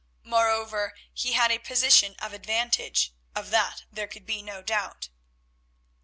Moreover, he had a position of advantage, of that there could be no doubt.